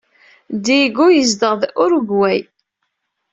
Diego yezdeɣ deg Urugway.